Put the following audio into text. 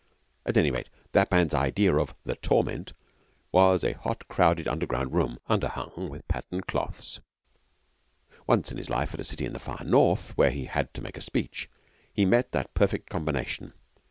At any rate, that man's idea of The Torment was a hot, crowded underground room, underhung with patterned cloths. Once in his life at a city in the far north, where he had to make a speech, he met that perfect combination.